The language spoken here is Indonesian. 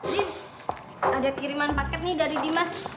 nih ada kiriman paket nih dari dimas